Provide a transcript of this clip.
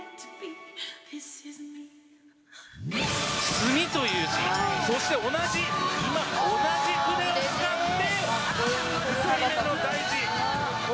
墨という字そして今同じ筆を使って。